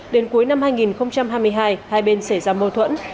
đến cuối năm hai nghìn hai mươi hai hai bên xảy ra mâu thuẫn